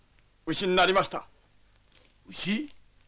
牛？